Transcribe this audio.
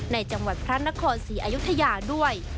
ในจังหวัดพระนครศรีอยุธยาด้วย